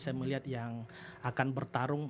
saya melihat yang akan bertarung